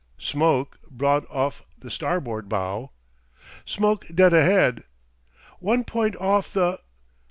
Smoke broad off the starboard bow.... Smoke dead ahead.... One point off the